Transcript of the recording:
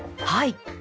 はい。